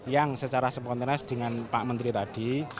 yang secara spontenas dengan pak menteri tadi